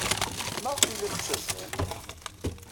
Maɣef ay la tettazzal?